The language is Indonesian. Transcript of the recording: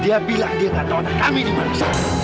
dia bilang dia gak tau anak kami dimana